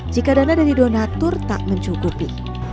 jika dana dari donatur tak mencukupi